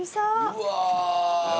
うわ！